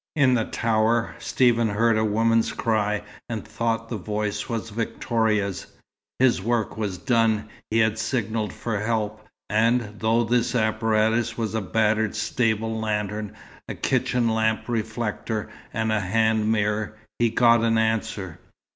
In the tower, Stephen heard a woman's cry and thought the voice was Victoria's. His work was done. He had signalled for help, and, though this apparatus was a battered stable lantern, a kitchen lamp reflector, and a hand mirror, he had got an answer.